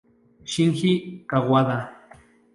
Shinji Kawada